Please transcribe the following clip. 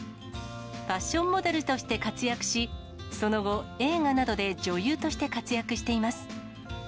ファッションモデルとして活躍し、その後、映画などで女優として活躍しています。